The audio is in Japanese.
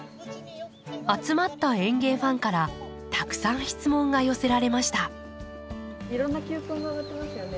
集まった園芸ファンからたくさん質問が寄せられました。